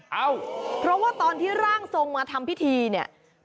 เอ้าเพราะว่าตอนที่ร่างทรงมาทำพิธีเนี่ย